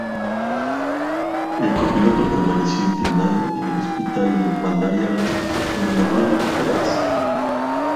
El copiloto permaneció internado en el Hospital de Madariaga donde logró recuperarse.